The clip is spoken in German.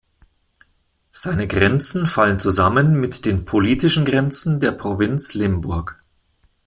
Seine Grenzen fallen zusammen mit den politischen Grenzen der Provinz Limburg.